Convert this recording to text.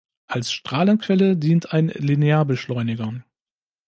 Als Strahlenquelle dient ein Linearbeschleuniger.